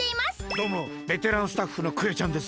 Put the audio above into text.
どうもベテランスタッフのクヨちゃんです。